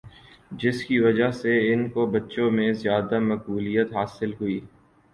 جس کی وجہ سے ان کو بچوں میں زیادہ مقبولیت حاصل ہوئی